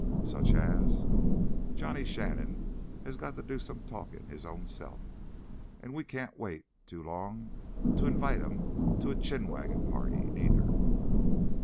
"Such as?" "Johnny Shannon has got to do some talkin' his ownself. An' we can't wait too long to invite him to a chin waggin' party, neither!"